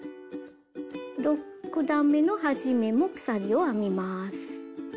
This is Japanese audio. ６段めの始めも鎖を編みます。